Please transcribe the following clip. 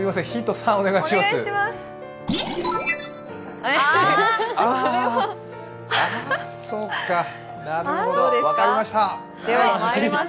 ３お願いします。